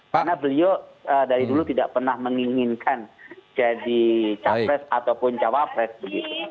karena beliau dari dulu tidak pernah menginginkan jadi capres ataupun cawapres begitu